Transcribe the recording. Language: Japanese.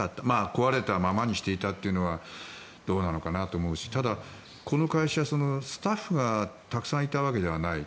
壊れたままにしていたというのはどうなのかなと思うしただ、この会社、スタッフがたくさんいたわけではない。